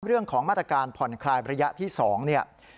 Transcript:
เรื่องของมาตรการผ่อนคลายระยะที่๒เนี่ย